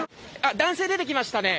男性出てきましたね。